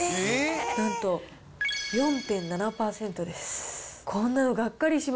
なんと４．７％です。